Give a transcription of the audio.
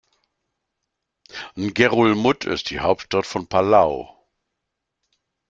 Ngerulmud ist die Hauptstadt von Palau.